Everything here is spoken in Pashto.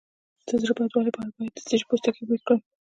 د زړه بدوالي لپاره باید د څه شي پوستکی بوی کړم؟